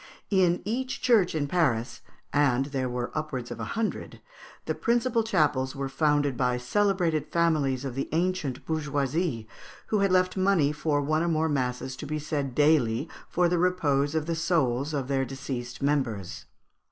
In each church in Paris, and there were upwards of a hundred, the principal chapels were founded by celebrated families of the ancient bourgeoisie, who had left money for one or more masses to be said daily for the repose of the soûls of their deceased members.